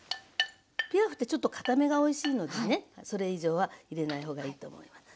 ピラフってちょっとかためがおいしいのでねそれ以上は入れない方がいいと思います。